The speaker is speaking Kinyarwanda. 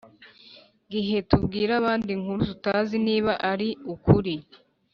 gihe tubwira abandi inkuru tutazi niba ari ukuri